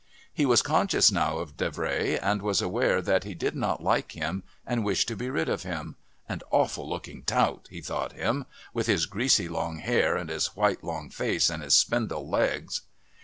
He was conscious now of Davray and was aware that he did not like him and wished to be rid of him "an awful looking tout" he thought him, "with his greasy long hair and his white long face and his spindle legs."